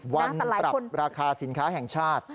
ปรับราคาสินค้าแห่งชาติ